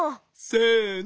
せの。